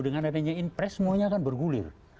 dengan adanya impress semuanya bergulir